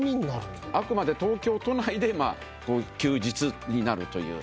あくまで東京都内でまあ休日になるという。